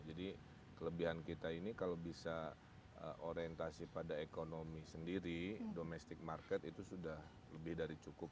jadi kelebihan kita ini kalau bisa orientasi pada ekonomi sendiri domestic market itu sudah lebih dari cukup